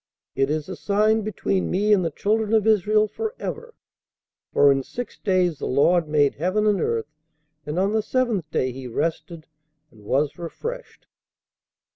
It is a sign between me and the children of Israel forever; for in six days the Lord made heaven and earth, and on the seventh day he rested, and was refreshed.'"